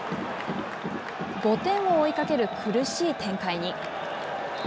５点を追いかける苦しい展開に。